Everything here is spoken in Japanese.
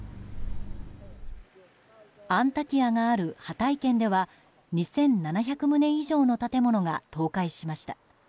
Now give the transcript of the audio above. アンタキヤがあるハタイ県では２７００棟以上の建物が倒壊しました。